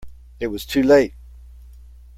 It was too late.